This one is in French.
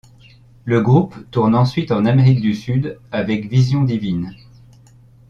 Le groupe tourne ensuite en Amérique du Sud avec Vision Divine.